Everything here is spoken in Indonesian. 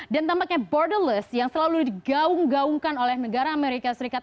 dan tampaknya borderless yang selalu digaung gaungkan oleh negara amerika serikat